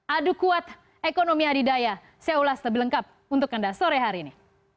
adu kuat ekonomi adidaya saya ulas lebih lengkap untuk anda sore hari ini